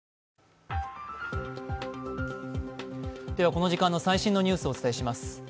この時間の最新のニュースをお伝えします。